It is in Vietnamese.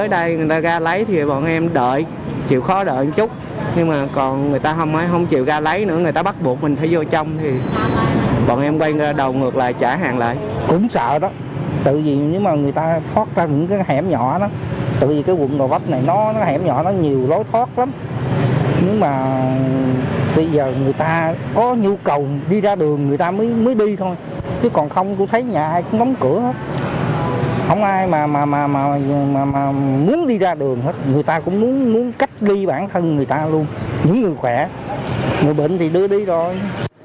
mà muốn đi ra đường hết người ta cũng muốn cách ly bản thân người ta luôn những người khỏe người bệnh thì đưa đi rồi